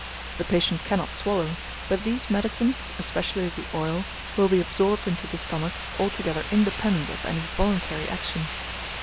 The patient cannot swallow; but these medicines, especially the oil, will be absorbed into the stomach altogether independent of any voluntary action.